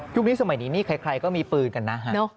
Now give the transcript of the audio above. นี้สมัยนี้นี่ใครก็มีปืนกันนะฮะ